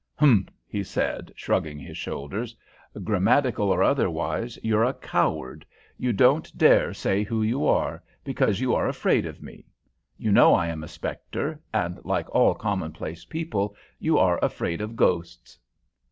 "Humph!" he said, shrugging his shoulders. "Grammatical or otherwise, you're a coward! You don't dare say who you are, because you are afraid of me. You know I am a spectre, and, like all commonplace people, you are afraid of ghosts."